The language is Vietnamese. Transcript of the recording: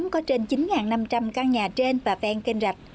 một năm trăm linh căn nhà trên và ven kênh rạch